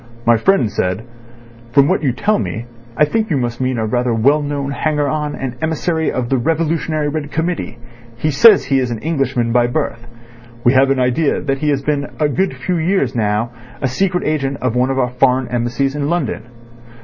My friend said: 'From what you tell me I think you must mean a rather well known hanger on and emissary of the Revolutionary Red Committee. He says he is an Englishman by birth. We have an idea that he has been for a good few years now a secret agent of one of the foreign Embassies in London.